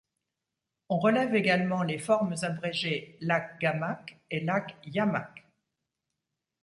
On relève également les formes abrégées Lac Gamac et Lac Yamack.